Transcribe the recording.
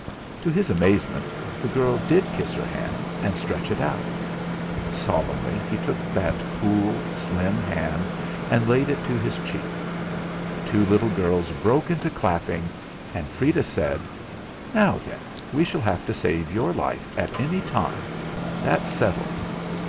To his amazement the girl did kiss her hand and stretch it out. Solemnly he took that cool, slim hand and laid it to his cheek. The two little girls broke into clapping, and Freda said: "Now, then, we shall have to save your life at any time; that's settled.